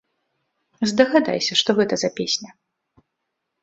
Здагадайся, што гэта за песня.